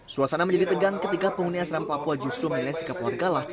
suasana menjadi tegang ketika penghuni asrama papua justru menilai sikap wargalah